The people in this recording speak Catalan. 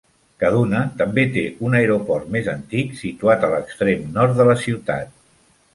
Kaduna també té un aeroport més antic situat a l'extrem nord de la ciutat.